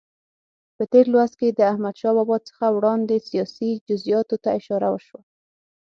په تېر لوست کې د احمدشاه بابا څخه وړاندې سیاسي جزئیاتو ته اشاره وشوه.